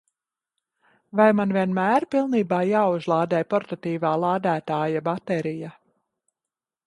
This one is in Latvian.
Vai man vienmēr pilnībā jāuzlādē portatīvā lādētāja baterija?